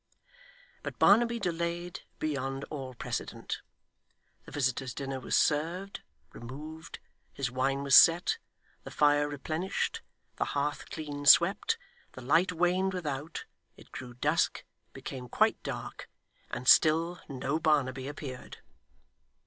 But Barnaby delayed beyond all precedent. The visitor's dinner was served, removed, his wine was set, the fire replenished, the hearth clean swept; the light waned without, it grew dusk, became quite dark, and still no Barnaby appeared.